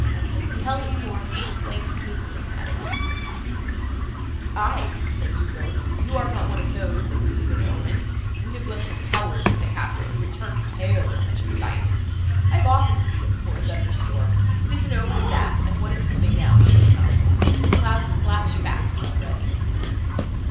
He held it forth, with the flame tapering at its point.* (*Note: See the Abbé Berthelon on Electricity. [A. R.]) "Aye," said Ugo, "you are not one of those, that believe in omens: we have left cowards at the castle, who would turn pale at such a sight. I have often seen it before a thunder storm, it is an omen of that, and one is coming now, sure enough. The clouds flash fast already."